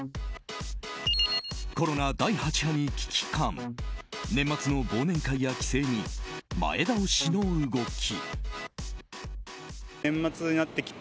コロナ第８波に危機感年末の忘年会や帰省に前倒しの動き。